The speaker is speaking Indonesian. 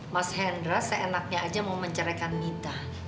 mas hendra seenaknya aja mau menceraikan nikah